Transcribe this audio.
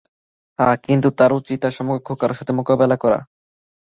হ্যাঁ, কিন্তু তার উচিৎ তার সমকক্ষ কারো সাথে মোকাবেলা করা।